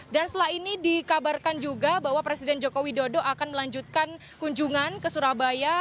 dan setelah ini dikabarkan juga bahwa presiden joko widodo akan melanjutkan kunjungan ke surabaya